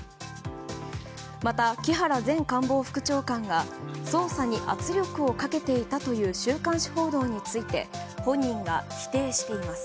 また、木原前官房副長官が捜査に圧力をかけていたという週刊誌報道について本人が否定しています。